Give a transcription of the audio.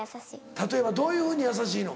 例えばどういうふうに優しいの？